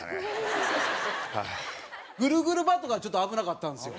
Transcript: ぐるぐるバットからちょっと危なかったんですよ。